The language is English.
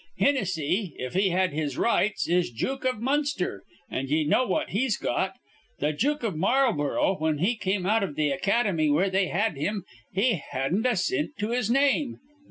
Hinnissy, if he had his rights, is Jook iv Munster; an' ye know what he's got. The Jook iv Marlburrow, whin he come out iv th' academy where they had him, he hadn't a cint to his name.